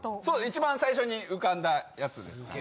一番最初に浮かんだやつです。